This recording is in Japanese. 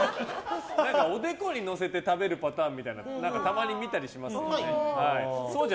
おでこにのせて食べるパターンみたいなのたまに見たりしますよね。